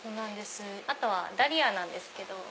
あとはダリアなんですけど。